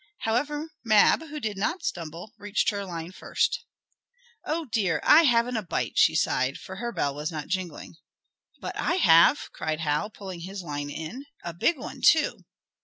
However, Mab, who did not stumble, teached her line first. "Oh dear! I haven't a bite!" she sighed, for her bell was not jingling. "But I have!" cried Hal, pulling his line in. "A big one, too!"